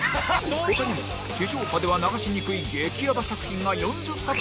他にも地上波では流しにくい激ヤバ作品が４０作以上